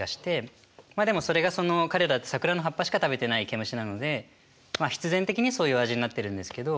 まあでもそれが彼ら桜の葉っぱしか食べてないケムシなのでまあ必然的にそういう味になってるんですけど。